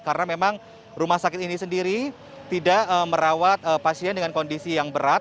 karena memang rumah sakit ini sendiri tidak merawat pasien dengan kondisi yang berat